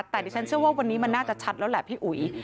แต่ดิฉันเชื่อว่าวันนี้มันน่าจะชัดแล้วแหละพี่อุ๋ย